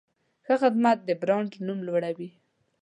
ښه خدمت د برانډ نوم لوړوي.